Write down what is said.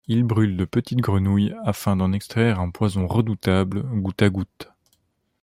Il brûle de petites grenouilles afin d'en extraire un poison redoutable, goutte à goutte.